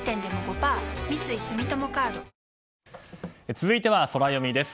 続いてはソラよみです。